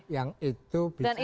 yang itu bisa mencapai